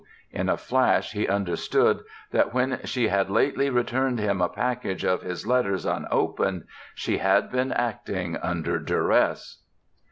In a flash he understood that when she had lately returned him a package of his letters un opened she had been acting under duress.